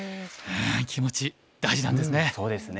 気持ち大事なんですね。